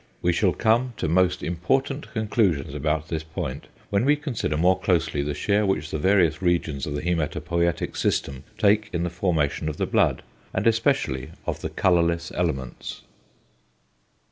We shall come to most important conclusions upon this point when we consider more closely the share which the various regions of the hæmatopoietic system take in the formation of the blood, and especially of the colourless elements.